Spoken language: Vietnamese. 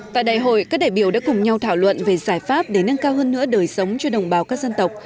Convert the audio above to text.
tại đại hội các đại biểu đã cùng nhau thảo luận về giải pháp để nâng cao hơn nữa đời sống cho đồng bào các dân tộc